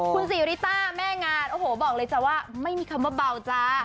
คุณซีริต้าแม่งานโอ้โหบอกเลยจ้ะว่าไม่มีคำว่าเบาจ้า